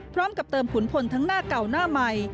พร้อมกับเติมขุนพลทั้งหน้าเก่าหน้าใหม่